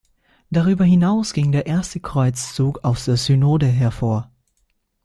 Darüber hinaus ging der erste Kreuzzug aus der Synode hervor.